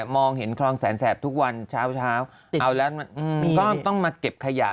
ไม่เอาสิทธิ์ค้า